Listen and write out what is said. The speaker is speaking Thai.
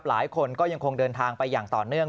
หลายคนก็ยังคงเดินทางไปอย่างต่อเนื่อง